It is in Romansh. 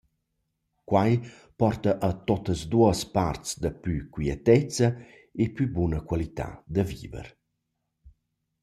Quai porta a tuottas duos parts daplü quietezza e plü buna qualità da viver.